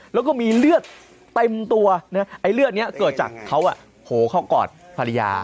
แล้วก็มีเลือดเต็มตัวไอ้เลือดนี้เกิดจากเขาโผล่เข้ากอดภรรยา